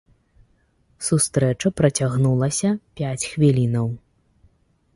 Сустрэча працягнулася пяць хвілінаў.